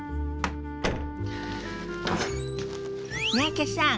三宅さん